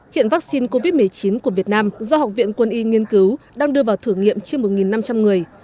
hiện vaccine covid một mươi chín của việt nam do học viện quân y nghiên cứu đang đưa vào thử nghiệm trên một năm trăm linh người